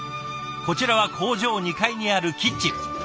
こちらは工場２階にあるキッチン。